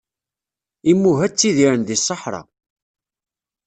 Imuha tidiren deg seḥra.